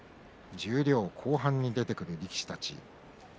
十両後半に出てくる力士たち